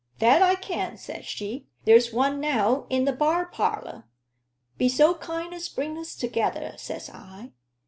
'That I can,' says she; 'there's one now in the bar parlor.' 'Be so kind as bring us together,' says I.